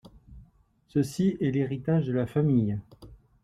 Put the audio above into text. Ceci est l'héritage de la famille.